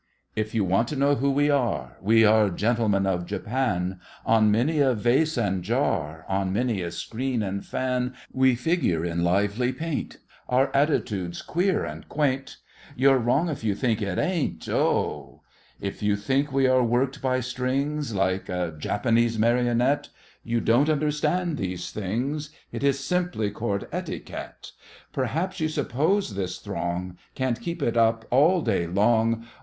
If you want to know who we are, We are gentlemen of Japan: On many a vase and jar— On many a screen and fan, We figure in lively paint: Our attitude's queer and quaint— You're wrong if you think it ain't, oh! If you think we are worked by strings, Like a Japanese marionette, You don't understand these things: It is simply Court etiquette. Perhaps you suppose this throng Can't keep it up all day long?